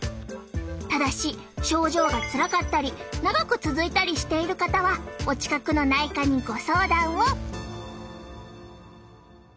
ただし症状がつらかったり長く続いたりしている方はお近くの内科にご相談を！